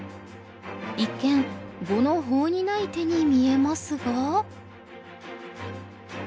一見碁の法にない手に見えますが？